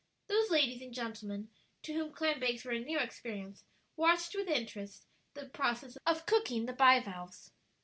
Those ladies and gentlemen to whom clam bakes were a new experience watched with interest the process of cooking the bivalves.